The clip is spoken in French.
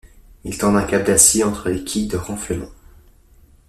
Ils tendent un câble d’acier entre les quilles de renflement.